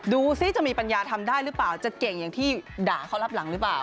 ดูสิจะมีปัญญาทำได้หรือเปล่าจะเก่งอย่างที่ด่าเขารับหลังหรือเปล่า